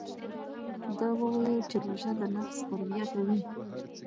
ده وویل چې روژه د نفس تربیه کوي.